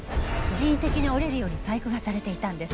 人為的に折れるように細工がされていたんです。